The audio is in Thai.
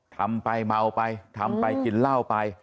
ทำไปเมาไปหรือกินล่าวไป